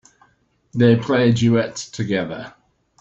They play duets together.